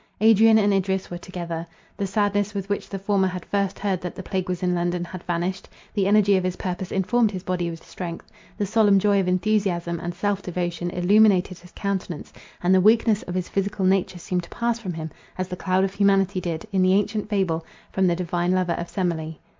Adrian and Idris were together. The sadness with which the former had first heard that the plague was in London had vanished; the energy of his purpose informed his body with strength, the solemn joy of enthusiasm and self devotion illuminated his countenance; and the weakness of his physical nature seemed to pass from him, as the cloud of humanity did, in the ancient fable, from the divine lover of Semele.